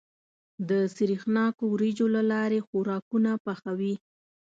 د سرېښناکو وريجو له لارې خوراکونه پخوي.